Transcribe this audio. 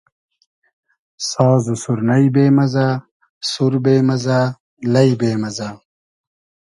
ساز و سورنݷ بې مئزۂ, سور بې مئزۂ ,لݷ بې مئزۂ